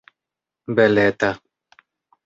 beleta